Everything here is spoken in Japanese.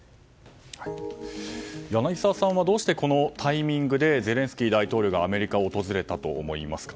柳澤さんはどうしてこのタイミングでゼレンスキー大統領がアメリカを訪れたと思いますか。